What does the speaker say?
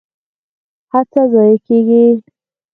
هڅه ضایع کیږي؟